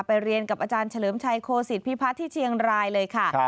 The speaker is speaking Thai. เรียนกับอาจารย์เฉลิมชัยโคศิษฐพิพัฒน์ที่เชียงรายเลยค่ะ